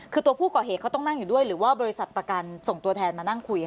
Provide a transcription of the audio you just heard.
คือตัวผู้ก่อเหตุเขาต้องนั่งอยู่ด้วยหรือว่าบริษัทประกันส่งตัวแทนมานั่งคุย